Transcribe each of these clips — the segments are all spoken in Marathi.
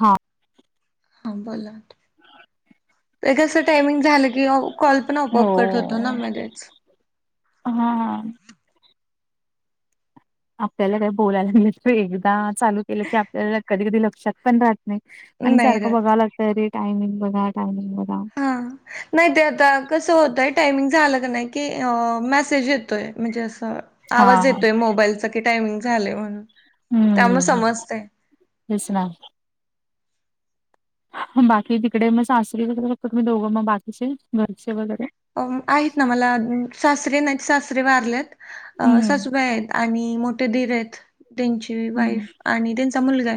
हा हां बोला ह [inaudible] ते कसं टाइमिंग झालं की कॉल पण हो. आपोआप कट होतो ना मध्येच. हा आपल्याला काही बोलायला लागलं एकदा चालू केलं की आपल्याला कधी कधी लक्षात पण राहत- नाही आणि नाही सारखं राहत बघाव लागतं रे टायमिंग बघा टायमिंग बघा. हां नाही ते आता कसं होतंय टायमिंग झा झालं का नाही की मेसेज येतोय म्हणजे असं- आवाज हां. येतोय मोबाईलचा की टायमिंग झालंय म्हणून, त्यामुळे हम्म समजतंय. असं बाकी तिकडे मग सासरी वगैरे फक्त मी दोघं मग बाकीचे घरचे वगैरे- अ आहेत ना मला सासरे नाही सासरे वारलेत अं - हं. सासुबाई आयेत आणि मोठे दीर आहेत त्यां- हं. वाईफ आणि त्यांचा मुलगा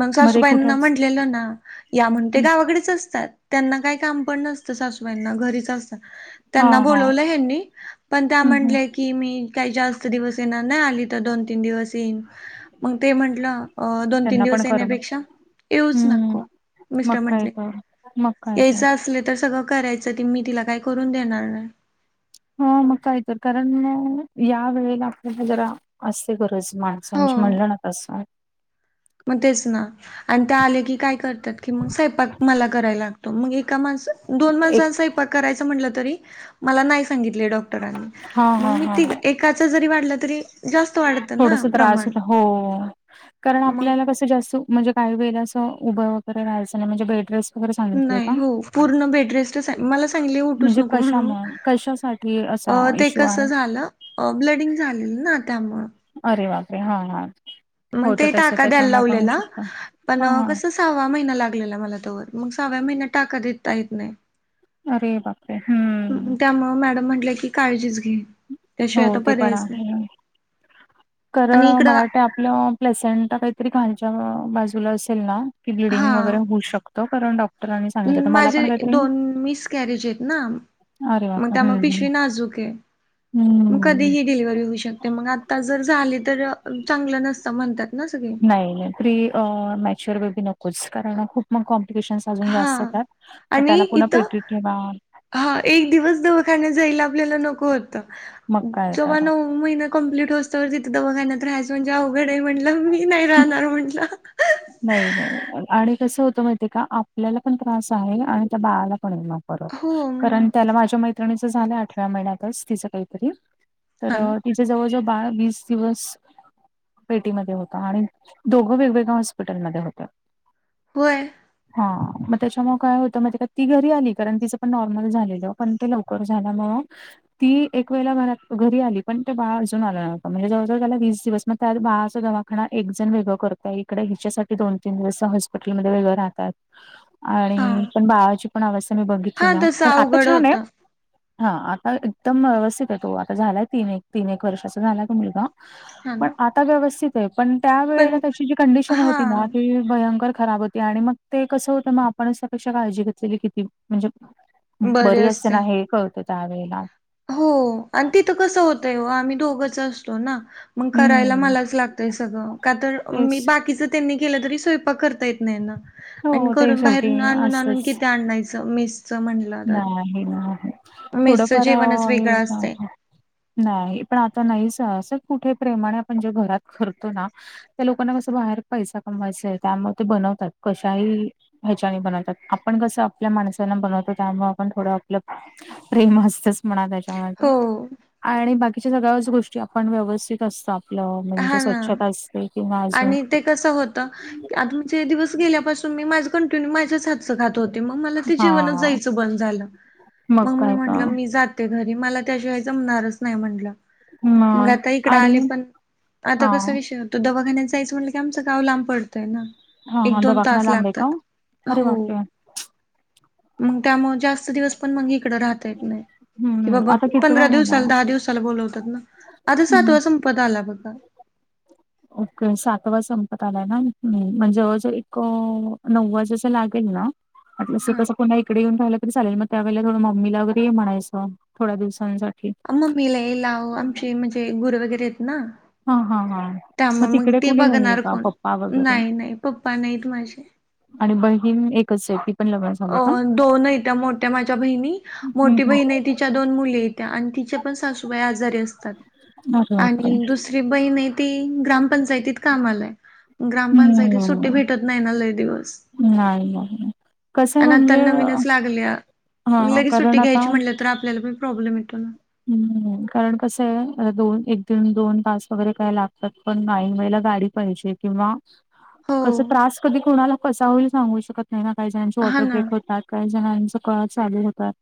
मग ते कुठं सासूबाईंना अस म्हटलेल ना, या म्हणते गावाकडेच असतात, त्यांना काही काम पण नसतं सासूबाईना घरीच असतं, त्यांना हां, हां. बोलावल हेनी पण त्या हं, हं. म्हणाल्या की, की मी काही जास्त दिवस येणार नाही, आली तर दोन तीन दिवस येईन. मग ते म्हंटलं अ दोन तीन त्यांना पण दिवस करमत येण्यापेक्षा येऊच हं. नको. मग मिस्टर काय म्हंटले तर मग काय तर. यायचं असले तर सगळं करायचं ते मी तिला काय करून देणार नाही. ह मग काही तर कारण या वेळेला आपल्याला जरा असते गरज. हो माणसांची म्हणलंण तसं मग तेच ना आणि ते आले की काय करतात की मग स्वयंपाक मला करायला लाग तो मग एका माणस दोन एक माणसाचा स्वयंपाक करायच म्हटलं तरी मला नाही सांगितले डॉ डॉक्टरांनी हा मग हा मी हा तीघ हा. एका जरी वाढल तरी, जास्त वाढतं ना थोडस त्रास प्रमाण होता हो हो हो कारण मग आपल्याला कस, जास्त म्हणजे काहीे वेळेला असं उभं वैगेरे राहायचं नाही म्हणजे बेड रेस नाही हो पूर्ण बेडरेस्ट आहे मला सांगितलंय उठूच म्हणजे नको म्हणून. कशामुळे कशासाठी असा अ ते इश्यू कस आहे झालं ब्लडिंग झालेलं ना त्यामुळ. अरे बाप रे हा हा. मग होत ते तस टाका द्यायला त्याच्यामुळे पण होऊ लावलेला शकत पण हा हा कस सववा महिना लागलेला मला तोवर मग सहाव्या महिन्यात टाका देता येत नाही. अरे बा- त्यामूळ मॅडम म्हटल्या की काळजीच घे. त्याशिवाय आता हो ते पण पर्यायच नाही आहे. कारण आणि इकडं मला वाटतंय आपलं, पलेसंट काहीतरी खालच्या बाजूला असेल ना, की हा ब्लिडिंग वगैरे होऊ शकतं कारण डॉक्टरांनी सांगितलं तर मला माझे पण काहीतरी, दोन मिस कॅरेज आहेत ना मग अरे बाप त्यामुळे हम्म पिशवी नाजूक आहे हम्म.. मग हम्म कधीही डिलिव्ही होऊ शकते, मग आता जर झाली तर चांगलं नसतं म्हणतात ना सगळे. नाही नाही प्री मॅचर वे बी नकोच कारण खूप मग कॉम्प्लिकेशन्, अजून हा जात येतात मग आणि त्याला पुन्हा इथं पेटीत ठेवा. हा एक दिवस दवाखान्यात जायला आपल्याला नको मग होतं काय जेव्हा तर नऊ महिन्या कंप्लीट होऊ स्तोवर तिथ दवाखान्यात राहायचं म्हणजे अवघड आहे म्हटलं मी नाही राहणार म्हंटलं. नाही नाही आणि कसं होत माहित का आपल्याला पण त्रास आहे आणि त्या बाळाला पण आहे मग. हो कारण मग त्याला माझ्या मैत्रिणीच झालं आठव्या महिन्यातच तिचं काहीतरी हा ना तर, तिच जवळजवळ बाळ वीस दिवस पेटीमध्ये होत, आणि दोघं वेगवेगळा हॉस हॉस्पिटलमध्ये होत. होय. हा मग त्याच्यामुळे काय होतं माहित का ती घरी आली कारण तिचं पण नॉर्मल झालेलं, पण ते लवकर झाल्यामुळ, ती एक वेळेला घरात घरी आली पण ते बाळा अजून आलं नव्हतं म्हणजे जवळजवळ त्याला वीस दिवस मग त्या बाळाचा दवा खाना एक जण वेगं करताय इकडे, तिच्यासाठी दोन तीन दिवस सह हॉस्पिटल मध्ये वेगळ राहातात हा आणि पण बाळाची, पण अवस्था मी बघितली हा ना, तसं पण आता अवघड छान आहे. होतं हा आता एकदम व्यवस्थित आहे तो, आता झालाय तीन एक तीन एक वर्षाचा झालाय तो मुलगा. हा पण ना आता व्यवथित आहे, पण त्या पण वेळेला त्याची जी कंडिशन हो हा भयंकर खराब होती आणि मग ते कसं होत मग आपणचपेक्षा काळजी घेतलेली किती म्हणजे, [inaudible] बरी असते ना हे कळतं त्यावेेळेला, हो आणि तिथं कसं होतय ओ आम्ही दोघंच असतो ना. मग करायला हम्म. मलाच लागतंय सगळं का तर तेच मी बाकीच, त्यांनी केलं तरी स्वयंपाक करता येत नाहीना. आणि हो ते करून शेवटी बाहेरून आणून आणून असंच किती आणायचं मसच म्हण. नाही नाही थोडंफार जेवणच हे वेगळं का. असतंय नाही पण आता नाहीच असं कुठे प्रेमाणे आपण जे घरात करतो ना. त्या लोकांना कसं बाहेर पैसा कमवायचा आहे त्यामुळे ते बनवतात कशाही. ह्याच्या बनवतात आपण कसं आपल्या माणसाना बनवतो. त्यामुळे आपण थोडं आपलं प्रेम असतच म्हणा त्याच्यामध्ये. हो आणि बाकीच्या सगळ्याच गोष्टी आपण व्यवस्थित असतो आपलं म्हणजे हा ना स्वच्छता असते. किंवा अजून आणि ते. दिवस गेल्याून मी मा कंटिन्यू माझ्या हात खात होते मग म. जीव हा जायच ब झालं मग मी काय तर म्हटीात. ते घरी मला त्याशिवाय जमणारच नाही म्हटलं. मग आता इकड आले पण आता हा कस विषयत. तो दवाखान्या जायच म्हटलं की आमच गाव लांब पडतंय ना. हा एक हा दोन दवाखाना तास लांब आहे का? लागतात अरे हो. बापरे! मग त्यामुळे जास्त दिवस पण मग इकड राहता येत नाही. कि हम्म बाबा आता पंधरा कितवा महिना? दिवसाला दहा दिवसाला बोलवतात ना आता हम्म. सातवा संपत आला बघा. ओके सातवा संपत आलाय ना म्हण जवळजवळ एक नव्वा जसं लागेल ना. म्हटलंस हा कसं पुन इकडे येऊन राहिय. चालेल मग त्याळेला थोडं मम्मीला वगैरे म्हणायचं थोड्या दिवसांसाठी. अम्म मीला ये लाव आमचे म्हणजे गुरु वगैरे आहेत ना. हां हां हां त्या म मग तिकडे ते कुणी नाहीये बघणार का कोण पप्पा वगैरे नाही नाही पप्पा नाहीत माझे. आणि बहीण एकच आहे. पण लग्न अ झालं का? दोन आहे त्या मोठ्या माझ्या बहिणी हं मोठी हं बहीण आहे ति दोन मुली य्या आणि ति पण सासूबाई आजारी असतात अरे बापरे! आणि दुसरी जी बहीण ती ग्रामपंचायतीत काम आलाय. ग्रामपंचायती सुट्टी हम्म भेटत नाही ना लई दिवस नाही नाही कस आणि आता म्हणजे. नवीनच लागल्या. हा लगेच कारण सुट्टी आता. घ्यायची म्हटलं तर आपल्याला प प्रॉलेम येतो ना. हम्म कारण कस आहे दोन एक दिन दोन तास वगैरे काय लागतात पण गाईन वळेला गाडी. पाहिजे किंवा हो क त्रास कधी कोणाला कसा होईल सांगू शकत. का ना काही जणची हा ऑर्डर ना. बेक होतात. काही जणांचा कळ चालू होतात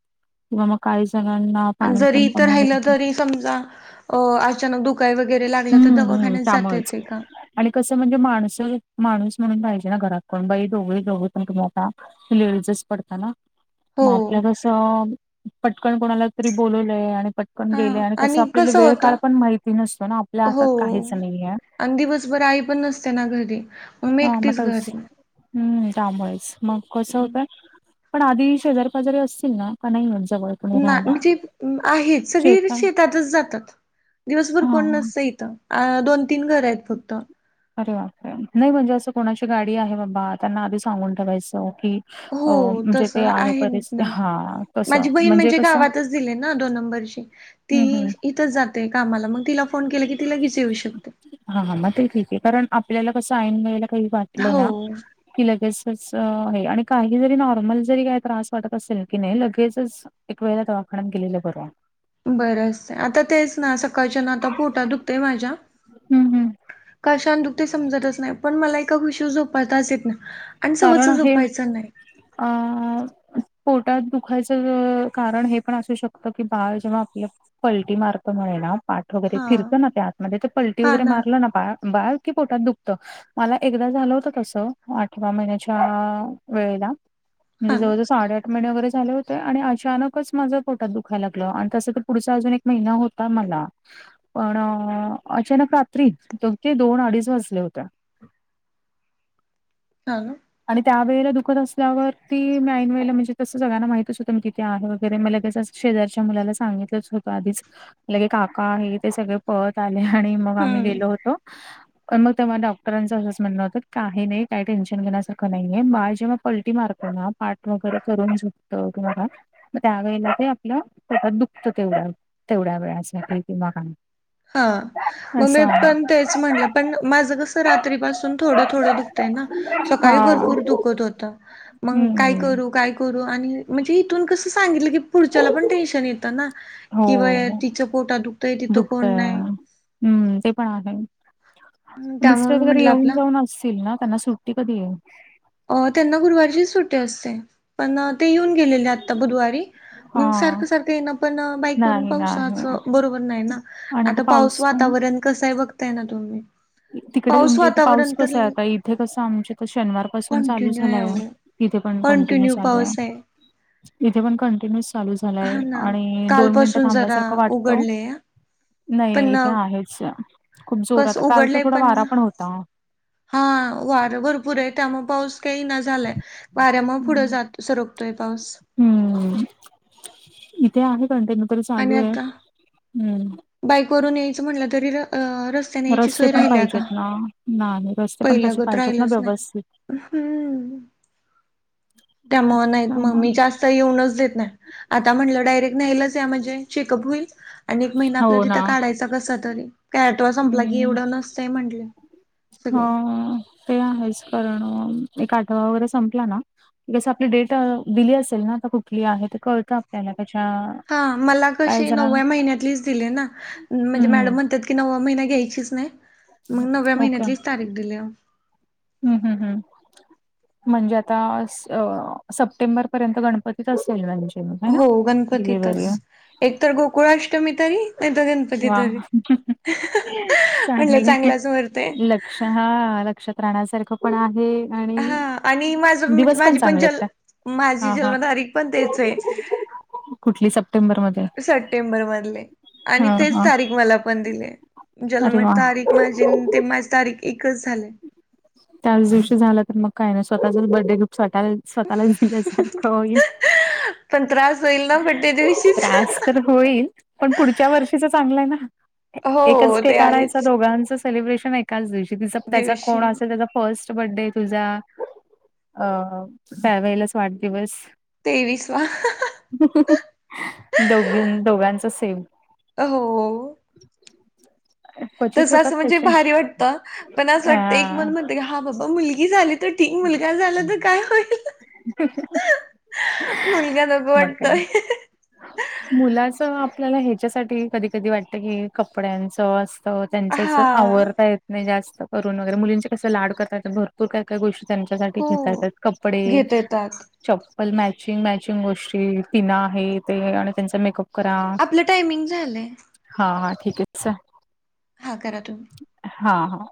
किंवा मग काही जणांना. पाणी जरी पण इ तर कमी होत राहिलं तरी समजा अ अचानक दुख. काय वगैरे लागलं हम्म तर हम्म दवाखान्यास जाता त्यामुळेच येतेका? आणि कसं म्हणजे माणस, माणूस म्हणून पाहिजे ना घरातून बाई दोघे हे दोघ पण कमवता. लेडीज पडत ना. हो मग आपल्या कस पटकन कोणाला तरी बोलवलंय आणि प. पण गेले आणि कसं आपल्याला वेळ काळ पण माहिती नसतो ना आपल्या हो हातात काहीच नाहीये आणि दिवसभर आई पण नसते ना घरी मग मी एकटीच हामता घरी. हम्म त्यामुळेच मग कसं होतय पण हां ना. आधी शेजार शेजारी असतील ना का नाही ह्यांच्या मुळे ना म्हणजे आहेत सगळी शेतातच जातात. दिवसभर हा कोण नसतं इथं अ दोन, तीन घर आहेत फक्त. अरे बापरे रे नाही म्हणजे असं कोणाची गाडी आहे बाबा त्यांना आधी सांगून ठेवायचं की. अ हो म्हणजे तस ते आहे परिस्थिती ना हा कसं माझी बहीण म्हणजे कसं गावातच दिली ना दोन नंबरची. ती हं हं इथच जाते कामाला मग तिला फोन केला की ति लागेच येऊ शकते. हा, हा मग ते ठीक आहे कारण आपल्याला कसं ऐन वेळेल काही वाटलं हो ना कि लगेचच आहे आणि काही जरी नॉर्मल जरी काही त्रास वाटत असेल की नाही लगेचच एक वेळेला दवाखान्यात गेलेलं बर. बरं असते आता तेच ना सकाळच्या ना आता पोटा दुखतय माझ्या हम्म, हम्म. कशा दुखते समजतच नाही पण मला एका ऊशीवर झोपताच येत नाही. आणि सवच कारण हे. झोपायचं अ [inaudible] पोटात दुखायचं कारण हे पण असू शकतं की बाळ जेव्हा आपल्या पलटी मारत म्हणेना पाठ वगैरे हा फिरतं ना ते आतमध्ये तर पलटी वगैरे मारलं ना बार बाळ की पोटात दुखत मला एकदा झालं होतं तसं आठवा महिन्याच्या आ वेळेला म्हणजे हा ना जवळ, जवळ साडे आठ वगैरे झाले होते आणि अचानकच माझं फोटात दुखाला लागलं आणि तसं तर पुढचं अजून एक महिना होता मला. पण अचानक रात्री एक ते दोन अडीच वाजले होते. [inaudible] आणि त्या वेळेला दुखत असल्यावर ती ऐन वेळे म्हणजेसं सगळ्यांना माहितच होतं मी तिथे आहे वगैरे मला लगेचच शेजारच्या मुलाला सांगितलंच होतं आधीच लगे काका हे ते सगळे पळत आले आणि मग आम्ही हम्म. गेलो होतो. पण मग ते डॉक्टरांच असंच म्हणतं काही नाही काही टेन्शन घेण्या सारखं नाहीये बाळ जेव्हा पलटी मारतो ना पाठ वगैरे करून झुकत तेव्हा मग त्यावेळेला ते आपलं पोटात दुखत तेवढ्या, तेवढ्या वेळासाठी किंवा काय. हा. मग असं मी आहे. पण तेच म्हणलं पण माझ कसं रात्रीपसून थोडं, थोडं दुखतंय ना काही हा. भरपूर दुखत होत. मग काय हम्म करु? काय करू आणि म्हणजे इथून कस सांगितलं की पुढच्याला पण टेन्शन येतना किंवा तिच पोटा दुखतय तिथ. तर हम्म ते पण आहे. हम्म, त्यामुळे मिस्टर घरी म्हटलं येऊन, आपलं जाऊन असतील ना त्यांना सुट्टी कधी आहे? अ त्यांना गुरुवारीचीच सुट्टी असते पण ते येऊन गेलेले आता बुधवारी मग हा सारखं, सारखं आहे ना पण बाईक वरून नाही नाही पावसाचं बरोबर नाही ना. आता पाऊस वातावरण कसय बघताय ना तुम्ही? तिकडे पाऊस तुमच्या इथ पाऊस वातावरण कसा आहे तर आता इथे कसं आमच्या तर शनिवार पासुन चालू कंटिन्यू आहे झालाय ओ तथे पण कंटिन्यू चालू आहे. तथे पण कंटिन्यू चालू झालाय हा ना आणि दोन मिनट कालपासून जरा थांबल्यासारखं वाटतो. उघडलेय नाही, नाही पण इथे आहेच खूप कस जोरात. काल तर उघडलंय थोडा पण वारा होता. हा वारं भरपूर आहे त्यामुळे पाऊस काहीही ना झाला. वाऱ्या मुळ पुढं जात सरकतोय पाऊस. हम्म इथे आहे कंटिन्यू तररी चालू आहे हम्म. बाईक वरून यायचं म्हटलं तरी आ रस्त्याने यायची रस्ते सोय पण राहिल्या का पाहिजेत ना नाही रस्ते पण तसे पहिल्यागत पाहिजेत ना राहिलच नाही. व्यवस्थित हम् त्यामूळ नाईत म मी त्यामुळे जास्त स्त इयऊनच देत नाई, आता म्हंटलं डायरेक्ट न्यायलाच या म्हणजे चेकअप होईल. हो ना हे कस तरी काय आठवा संपला की, हम्म एवढं नसतंय म्हंटले सगळे. हो ते आहेच, कारण एक आठवा वगैरे संपला ना तेच आपली डेट दिली असेल ना, आता कुठली आहे तर कळतं आपल्याला त्याच्या हा मला काय कशी जणांना नवव्या महिन्यातलीच दिलीय ना म्हणजे मॅडम हम्म म्हणतात की नववा महिना घ्यायचीच नाही, मग नव्या महिन्यातलीच तारीख दिलीया. ह हा हा. म्हणजे आता स सप्टेंबर पर्यंत गणपतीच असेल म्हणजे मग है ना हो गणपतीतच, डिलिव्हरी एक तर गोकुळाष्टमी तरी, नाही तर गण पती वा तरी म्हटलं चांगलाच मुहूर्त हाय. क्ष हा लक्ष्यात राहण्या सारखं पण आहे हा आणि आणि माझं म्हणजे दिवस पण माझी चांगले आहेत जल त्या. माझी जन्म तारीक पण तेच हाय. कुठली सप्टेंबर मध्ये? सप्टेंबर मधले. आणि हा तेच हा तारीख मला पण दिलेय, अरे जन्म वा. तारीख माझी ती माझी तारीख एकच झालेत. त्याच दिवशी झालं तर, मग काही नाही स्वतःचाच बर्थडे गिप्ट, स्वतः स्वतःला दिल्यासारखं होईल. पण त्रास होईल ना बड्डे दिवशीच. त्रास तर होईल, पण पुढच्या वर्षीच चांगलं हाय ना. एकच हो ते केक आणायचा आहेच दोघांचं सेलिब्रेशन एकाच दिवशी, कस त्याचा दिवशी कोण असेल त्याचा फस्ट बड्डे तुझा अ त्या्वेलाच वाढदिवस तेवीसवा [inaudible] दोघजन दोघांच सेम. अ हो. क्वचित तसं होतात असं म्हणजे तसे भारी वाटतं, पण असं अ वाटत एक मन म्हण त की, हा बाबा मुलगी झाली तर ठीक, मुलगा झाला तर काय होईल. मुलगा नको मग काय वाटतोय. मुलाच आपल्याला ह्याच्यासाठी कधी कधी वाटत की कपड्यांचं अस तर त्यांचच हा आवर ता येत नाही जास्त करून वगैरे, मुलींचे कसं लाड करता येतात भर पुर काय काय गोष्टी त्यांच्यासाठी हो घेता येतात. कपडे घेता येतात. चप्पल, मॅचिंग मॅचिंग गोष्टी, पिना आहे ते आणि त्यांचा मेकअप करा आपलं टायमिंग झालंय. हा हा ठीक ये [unintelligible] हा करा तुम्ही. हा हा.